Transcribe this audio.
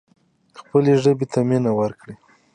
خپلې ژبې ته مینه ورکړو.